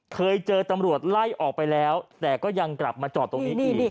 เคยเจอตำรวจไล่ออกไปแล้วแต่ก็ยังกลับมาจอดตรงนี้อีก